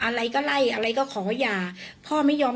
ทรัพย์สินที่เป็นของฝ่ายหญิง